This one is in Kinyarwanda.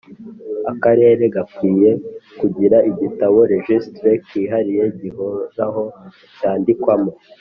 Akarere gakwiye kugira igitabo registre kihariye gihoraho cyandikwamo